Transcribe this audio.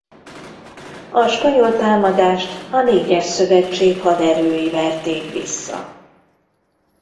A spanyol támadást a négyes szövetség haderői verték vissza.